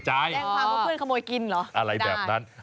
อะไรแบบนั้น